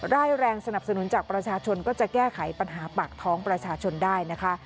ได้แรงสนับสนุนจากประชาชนก็จะแก้ไขปัญหาปากท้องประชาชนได้นะคะ